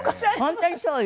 本当にそうよ。